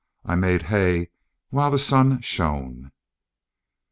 I made hay while the sun shone."